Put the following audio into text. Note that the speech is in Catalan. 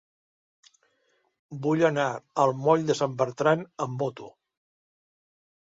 Vull anar al moll de Sant Bertran amb moto.